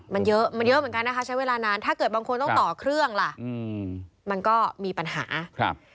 มันเยอะมันเยอะเหมือนกันนะคะใช้เวลานานถ้าเกิดบางคนต้องต่อเครื่องล่ะอืมมันก็มีปัญหาครับ